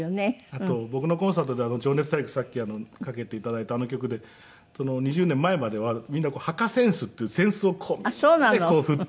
あと僕のコンサートで『情熱大陸』さっきかけて頂いたあの曲で２０２０年前まではみんなはかせんすっていう扇子をこうみんなで振って。